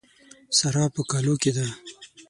سارا په کالو کې ده.